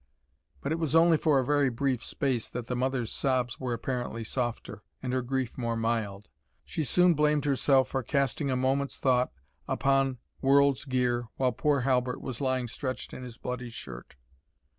But it was only for a very brief space that the mother's sobs were apparently softer, and her grief more mild. She soon blamed herself for casting a moment's thought upon world's gear while poor Halbert was lying stretched in his bloody shirt.